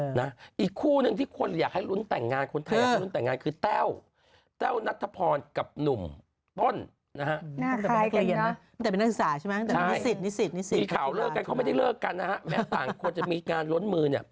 ใช่มีข่าวเลิกกันเขาไม่ได้เลิกกันนะฮะแม้ต่างคนจะมีงานล้นมือ